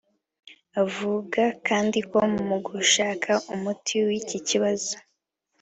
Avuga kandi ko mu gushaka umuti w’iki kibazo